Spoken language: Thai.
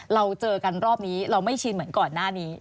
เราเจอกันรอบนี้เราไม่ชินเหมือนก่อนหน้านี้